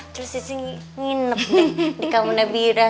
terus istri nginep di kamunabira